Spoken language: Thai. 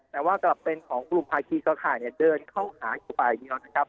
แต่ว่ากลับเป็นของกลุ่มภาคีเครือข่ายเดินเข้าหาอยู่ฝ่ายเดียวนะครับ